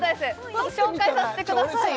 ご紹介させてくださいよ